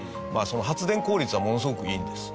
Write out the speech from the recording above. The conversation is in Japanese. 発電効率はものすごくいいんです。